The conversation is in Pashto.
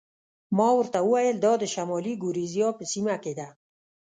ما ورته وویل: دا د شمالي ګوریزیا په سیمه کې ده.